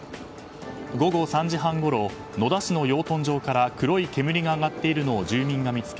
午後３時半ごろ野田市の養豚場から黒い煙が上がっているのを住民が見つけ